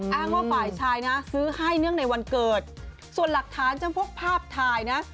อ้างว่าฝ่ายชายนะซื้อให้เนื่องในวันเกิดส่วนหลักฐานจำพวกภาพถ่ายนะ